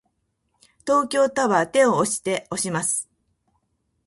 東京タワーを手押しで押します。